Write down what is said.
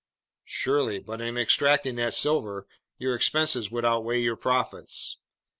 "Surely, but in extracting that silver, your expenses would outweigh your profits.